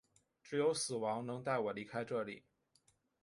只有死亡能带我离开这里！